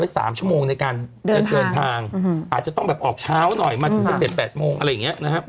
๓ชั่วโมงในการจะเดินทางอาจจะต้องแบบออกเช้าหน่อยมาถึงสัก๗๘โมงอะไรอย่างนี้นะครับ